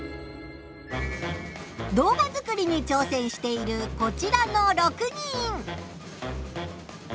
動画作りにちょうせんしているこちらの６人。